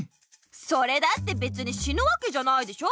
それだってべつに死ぬわけじゃないでしょ。